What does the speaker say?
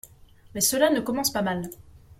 Mais cela ne commence pas mal.